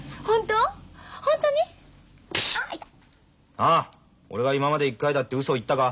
なあ俺が今まで一回だってうそ言ったか？